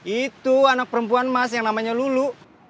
itu anak perempuan mas yang namanya lulu